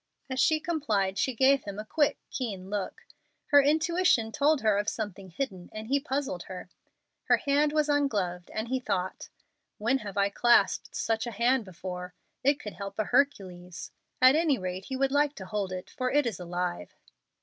As she complied she gave him a quick, keen look. Her intuition told her of something hidden, and he puzzled her. Her hand was ungloved, and he thought, "When have I clasped such a hand before? It could help a Hercules. At any rate he would like to hold it, for it is alive."